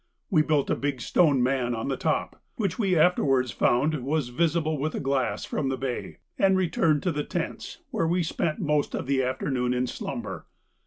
We built a big stone man on the top, which we afterwards found was visible with a glass from the bay, and returned to the tents, where we spent most of the afternoon in slumber.